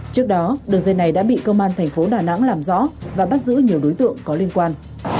trước đó đường dây này đã bị công an thành phố đà nẵng làm rõ và bắt giữ nhiều đối tượng có liên quan